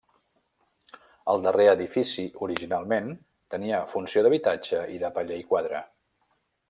El darrer edifici, originalment, tenia funció d'habitatge i de paller i quadra.